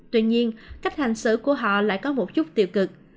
tuy nhiên cách hành xử của họ lại có một chút tiêu cực